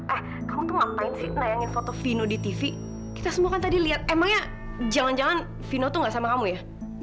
ah kamu tuh ngapain sih nayangin foto vino di tv kita semua kan tadi lihat emangnya jangan jangan vino tuh gak sama kamu ya